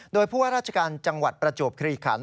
โดยผู้ว่าราชการจังหวัดประจวบคลีขัน